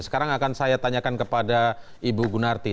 sekarang akan saya tanyakan kepada ibu gunarti